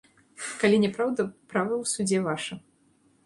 Калі няпраўда, права ў судзе ваша.